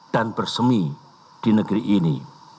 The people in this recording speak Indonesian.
dan bersemi di negeri ini